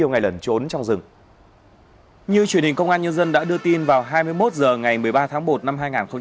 như truyền hình công an nhân dân đã đưa tin vào hai mươi một h ngày một mươi ba tháng một năm hai nghìn hai mươi